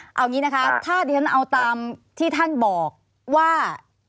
เอาอย่างนี้นะคะถ้าดิฉันเอาตามที่ท่านบอกว่า